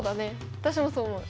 私もそう思う。